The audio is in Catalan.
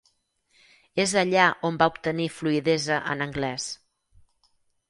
És allà on va obtenir fluïdesa en anglès.